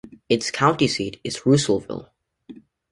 Its county seat is Russellville.